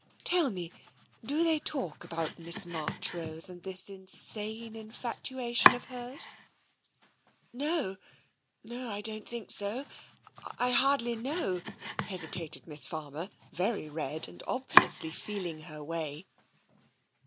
Tell me, do they talk about Miss Marchrose and this insane infatuation of hers?" 196 TENSION 197 " No — no, I don't think so — I hardly know ..." hesitated Miss Farmer, very red, and obviously feeling her way.